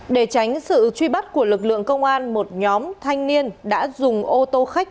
để tránh sự truy bắt của lực lượng công an một nhóm thanh niên đã dùng ô tô khách